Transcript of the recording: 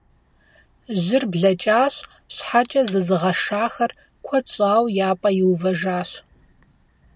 Жьыр блэкӀащ, щхьэкӀэ зызыгъэшахэр куэд щӀауэ я пӀэ иувэжащ.